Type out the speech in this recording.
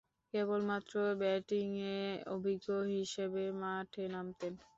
কেবলমাত্র ব্যাটিংয়ে অভিজ্ঞ হিসেবে মাঠে নামতেন।